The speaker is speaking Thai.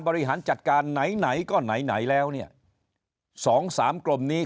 บริหารจัดการไหนไหนก็ไหนไหนแล้วเนี่ยสองสามกลมนี้